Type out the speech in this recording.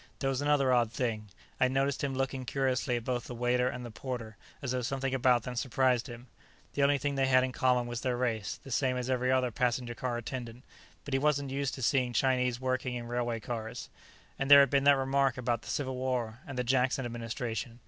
There was another odd thing. I'd noticed him looking curiously at both the waiter and the porter, as though something about them surprised him. The only thing they had in common was their race, the same as every other passenger car attendant. But he wasn't used to seeing Chinese working in railway cars. And there had been that remark about the Civil War and the Jackson Administration.